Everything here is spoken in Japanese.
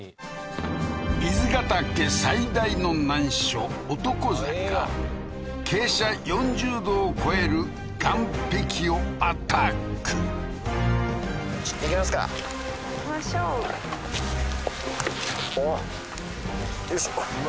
伊豆ヶ岳最大の難所傾斜４０度を超える岩壁をアタック行きますか行きましょうおっよいしょうわ